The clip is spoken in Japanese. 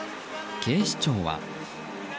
警視庁は。